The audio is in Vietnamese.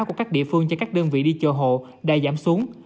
của các địa phương cho các đơn vị đi chợ hộ đã giảm xuống